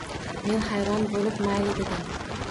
Men hayron bo`lib mayli dedim